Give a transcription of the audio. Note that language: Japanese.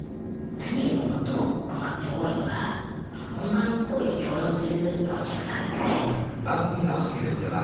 何よりも最も困って多いのが本番行為を強要するお客さんですね。